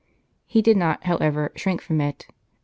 He did not, however, shrink from it.